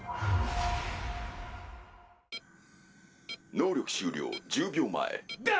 「能力終了１０秒前」っだ！！